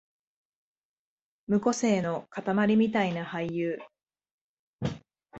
無個性のかたまりみたいな俳優